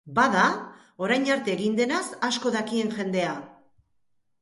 Bada, orain arte egin denaz asko dakien jendea.